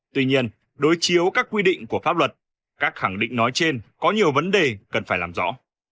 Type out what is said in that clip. tuy nhiên đối chiếu các quy định của pháp luật các khẳng định nói trên có nhiều vấn đề cần phải làm rõ